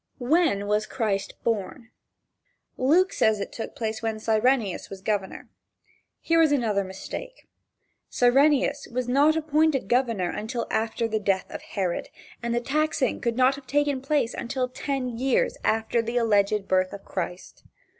When was Christ born? Luke says that it took place when Cyrenius was governor. Here is another mistake. Cyrenius was not appointed governor until after the death of Herod, and the taxing could not have taken place until ten years after the alleged birth of Christ.